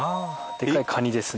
でっかいカニですね。